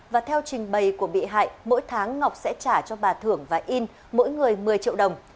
và theo trình bày của bị hại mỗi tháng ngọc sẽ trả cho bà thưởng và in mỗi người một mươi triệu đồng